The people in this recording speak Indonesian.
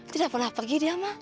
tidak pernah pergi dia mah